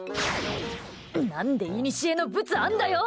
何で、いにしえの物あんだよ！